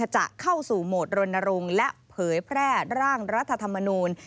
จะเข้าสู่โหมดรณรงค์และเผยแพร่ร่างรัฐธรรมนูล